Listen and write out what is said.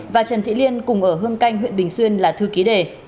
và trần thị liên cùng ở hương canh huyện bình xuyên là thư ký đề